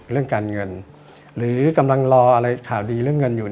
เรื่องการเงินหรือกำลังรออะไรข่าวดีเรื่องเงินอยู่